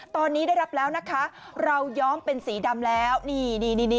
ตอนนี้ได้รับแล้วนะคะเราย้อมเป็นสีดำแล้วนี่นี่